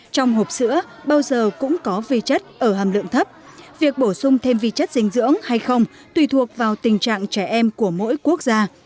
trong hộp sữa bao giờ cũng có vi chất ở hàm lượng thấp việc bổ sung thêm vi chất dinh dưỡng hay không tùy thuộc vào tình trạng trẻ em của mỗi quốc gia